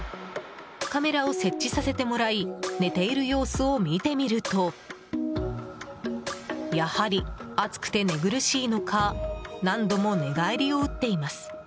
カメラを設置させてもらい寝ている様子を見てみるとやはり暑くて寝苦しいのか何度も寝返りを打っています。